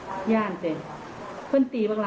เอายังตีบ้างหล่ะ